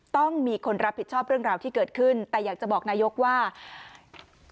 ต้องมีคนรับผิดชอบเรื่องราวที่เกิดขึ้นแต่อยากจะบอกนายกว่า